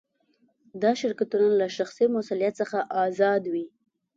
دا شرکتونه له شخصي مسوولیت څخه آزاد وي.